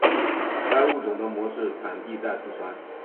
该物种的模式产地在四川。